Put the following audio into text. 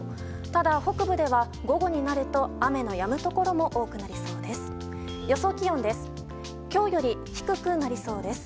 ただ北部では午後になると雨のやむところも多くなりそうです。